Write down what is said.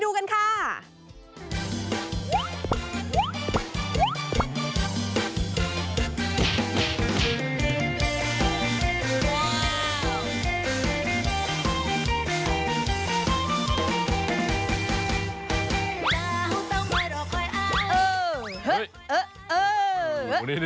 ว้าว